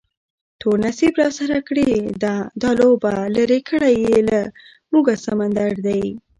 تور نصیب راسره کړې ده دا لوبه، لرې کړی یې له موږه سمندر دی